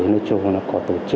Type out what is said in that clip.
nói chung là có tổ chức